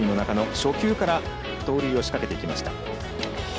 初球から盗塁を仕掛けていきました。